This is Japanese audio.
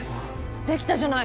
できたじゃない！